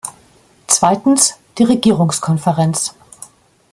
Zweitens die Regierungskonferenz.